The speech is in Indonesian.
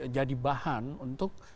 jadi bahan untuk